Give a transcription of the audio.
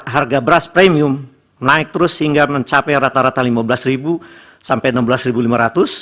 harga beras premium naik terus hingga mencapai rata rata rp lima belas sampai rp enam belas lima ratus